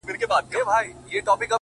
o زما شاعري وخوړه زې وخوړم،